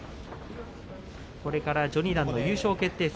これから序二段の優勝決定戦。